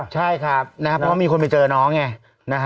ใช่ครับนะครับเพราะมีคนไปเจอน้องไง